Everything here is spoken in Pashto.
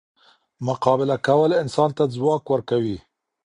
مقابله کول انسان ته ځواک ورکوي.